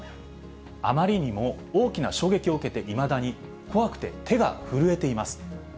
あまりにも大きな衝撃を受けて、いまだに怖くて手が震えています。